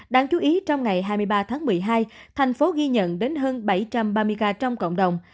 đáng chú ý trong ngày hai mươi ba tháng một mươi hai thành phố ghi nhận đến hơn bảy trăm ba mươi ca trong cộng đồng